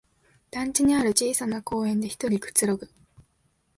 団地にある小さな公園でひとりくつろぐ